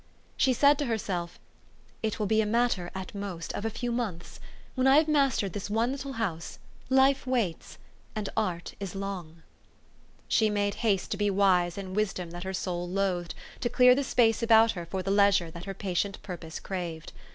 She said to herself, "It will be a matter, at most, of a few months. When I have mastered this one little house, life waits; and art is long." She made haste to be wise in wisdom that her soul loathed, to clear the space about her for the leisure that her patient purpose craved.